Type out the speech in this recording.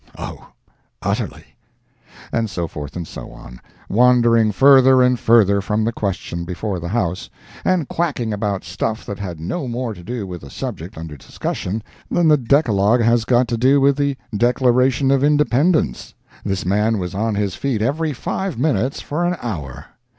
—oh, utterly! And so forth and so on, wandering further and further from the question before the House, and quacking about stuff that had no more to do with the subject under discussion than the Decalogue has got to do with the Declaration of Independence. This man was on his feet every five minutes for an hour.